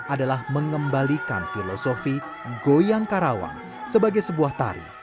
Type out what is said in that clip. adalah mengembalikan filosofi goyang karawang sebagai sebuah tari